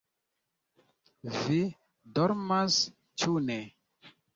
vi dormas, ĉu ne?